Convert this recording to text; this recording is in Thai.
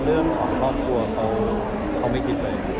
เรื่องของครอบครัวเขาไม่คิดเลย